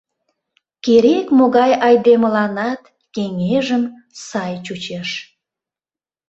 Керек-могай айдемыланат кеҥежым сай чучеш.